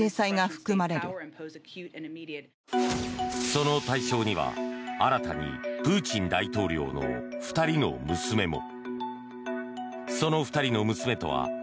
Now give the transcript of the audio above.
その対象には新たにプーチン大統領の２人の娘も。